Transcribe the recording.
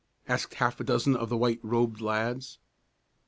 asked half a dozen of the white robed lads.